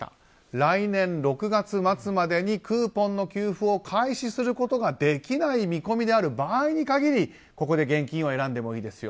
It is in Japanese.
来年６月末までにクーポンの給付を開始することができない見込みである場合に限りここで現金を選んでもいいですよ。